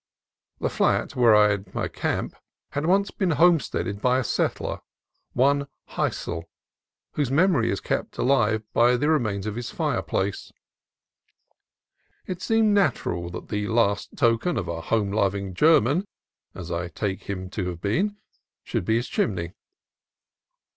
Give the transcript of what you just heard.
The flat where I had my camp had once been " homesteaded " by a settler, one Heisel, whose mem ory is kept alive by the remains of his fireplace. It seemed natural that the last token of a home loving German (as I take him to have been) should be his chimney.